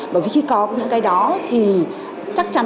bởi vì khi có những cái đó thì chắc chắn